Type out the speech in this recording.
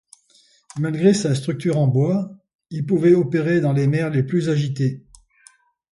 Malgré sa structure en bois, il pouvait opérer dans les mers les plus agitées.